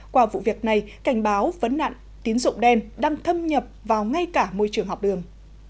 qua vụ việc này cảnh báo vấn nạn tín dụng đen đang thâm nhập vào ngay cả môi trường học đường